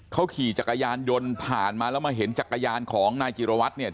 เขาขี่จักรยานยนต์ผ่านมาแล้วมาเห็นจักรยานของนายจิรวัตรเนี่ย